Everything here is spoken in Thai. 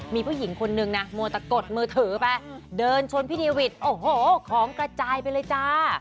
มีผู้หญิงคนนึงนะมัวแต่กดมือถือไปเดินชนพี่เนวิทโอ้โหของกระจายไปเลยจ้า